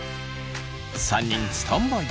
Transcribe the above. ３人スタンバイ。